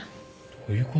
どういうこと？